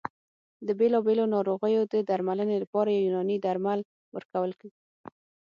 د بېلابېلو ناروغیو د درملنې لپاره یوناني درمل ورکول